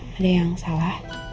ada yang salah